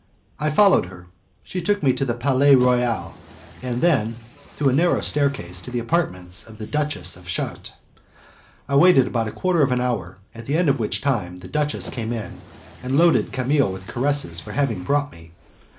I followed her; she took me to the Palais Royal, and then, through a narrow staircase, to the apartments of the Duchess de Chartres. I waited about a quarter of an hour, at the end of which time the duchess came in and loaded Camille with caresses for having brought me.